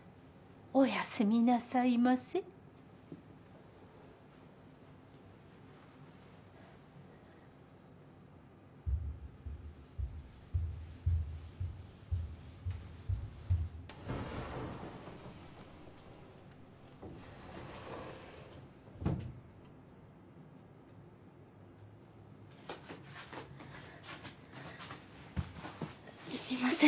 おやすみなさいませすみません